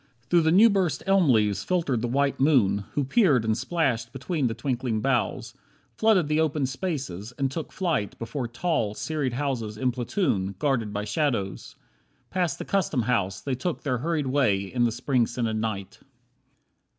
Through new burst elm leaves filtered the white moon, Who peered and splashed between the twinkling boughs, Flooded the open spaces, and took flight Before tall, serried houses in platoon, Guarded by shadows. Past the Custom House They took their hurried way in the Spring scented night.